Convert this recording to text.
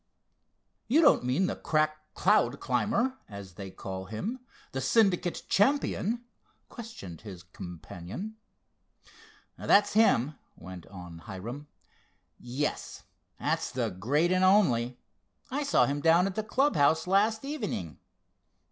"You don't mean the crack cloud climber, as they call him, the Syndicate champion?" questioned his companion. "That's him," went on Hiram. "Yes, that's 'the great and only.' I saw him down at the clubhouse last evening.